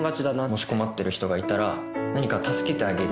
もし困ってる人がいたら何か助けてあげるっていう。